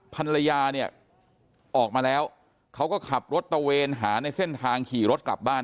ภรรยาเนี่ยออกมาแล้วเขาก็ขับรถตะเวนหาในเส้นทางขี่รถกลับบ้าน